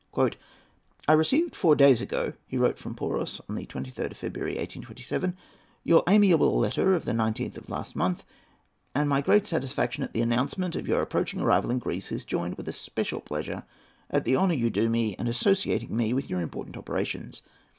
"I received four days ago," he wrote from Poros on the 23rd of February, 1827, "your amiable letter of the 19th of last month, and my great satisfaction at the announcement of your approaching arrival in Greece is joined with a special pleasure at the honour you do me in associating me with your important operations.